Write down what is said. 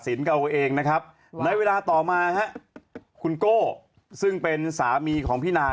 สินกับเองนะครับในเวลาต่อมาครับคุณโกซึ่งเป็นสามีของ